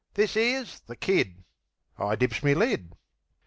"This 'ere's the Kid." I dips me lid.